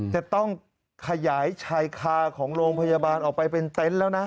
จะต้องขยายชายคาของโรงพยาบาลออกไปเป็นเต็นต์แล้วนะ